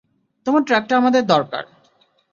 তোমার ট্রাকটা আমাদের দরকার!